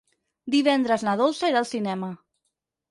Divendres na Dolça irà al cinema.